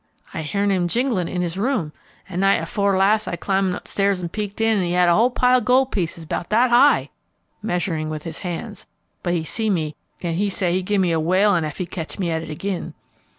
"I've hearn him a jinglin' it in his room; an' night afore las' I clim' up stairs and peeked in, an' he had a whole pile of gold pieces 'bout that high," measuring with his hands; "but he see me, an' he said he'd gimme a whalin' ef he catched me at it agin."